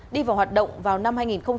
đi vào hoạt động vào năm hai nghìn một mươi chín